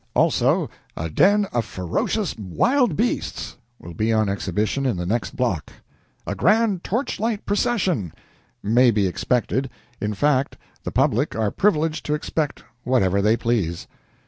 Also A DEN OF FEROCIOUS WILD BEASTS will be on exhibition in the next block. A GRAND TORCHLIGHT PROCESSION may be expected; in fact, the public are privileged to expect whatever they please.